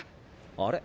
あれ？